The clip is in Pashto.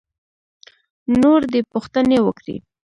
نور دې پوښتنې وکړي.